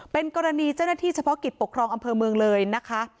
เป็นกรณีเจ้าหน้าที่เฉพาะกิจปกครองอำเภอเมืองเลยนะคะ